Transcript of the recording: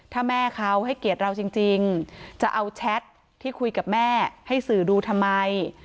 ถ้าแม่เขาให้เกียรติเราจริงจะเอาแชทที่คุยกับแม่ให้สื่อดูทำไม